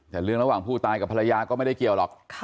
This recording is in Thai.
แต่เรื่องระหว่างผู้ตายกับภรรยาก็ไม่ได้เกี่ยวหรอก